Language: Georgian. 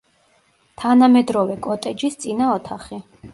თანამედროვე კოტეჯის წინა ოთახი.